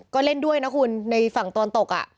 ก็เล่นด้วยนะคุณในฝั่งตลตกอ่ะ